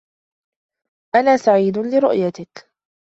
أنا سعيد لرؤيتكِ.